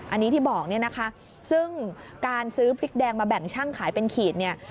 อันนี้ที่บอกเนี่ยนะคะซึ่งการซื้อพริกแดงมาแบ่งช่างขายเป็นขีดเนี่ย